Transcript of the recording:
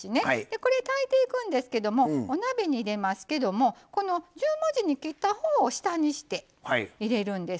これ、炊いていくんですけどお鍋に入れますけど十文字に切ったほうを下にして入れるんです。